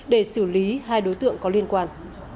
để xử lý hai đối tượng có liên quan